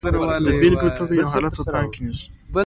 د بېلګې په توګه یو حالت په پام کې نیسو.